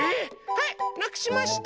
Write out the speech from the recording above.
⁉はいなくしました。